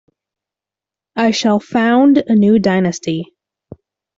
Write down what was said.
I shall found a new dynasty.